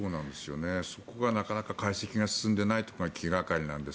そこがなかなか解析が進んでないところが気がかりなんです。